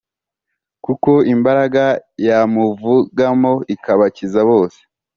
kuko imbaraga yamuvagamo ikabakiza bose”